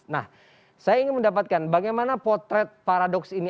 nah saya ingin mendapatkan bagaimana potret paradoks ini